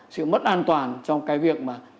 sự mất an toàn trong cái việc mà